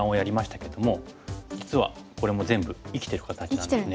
実はこれも全部生きてる形なんですね。